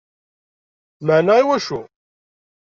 Meɛna iwacu?